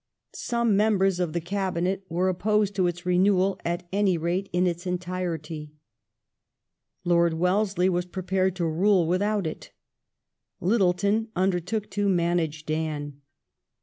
Some members of the Cabinet were op posed to its renewal at any rate in its entirety. Lord Wellesley was prepared to rule without it : Littleton undertook to " manage Dan".